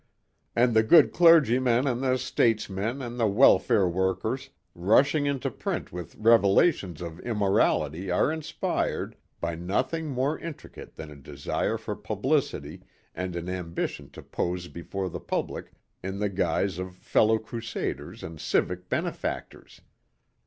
And the good clergymen and the statesmen and the welfare workers rushing into print with revelations of immorality are inspired, by nothing more intricate than a desire for publicity and an ambition to pose before the public in the guise of fellow crusaders and civic benefactors.